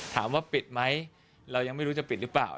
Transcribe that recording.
ถามว่าปิดไหมเรายังไม่รู้จะปิดหรือเปล่า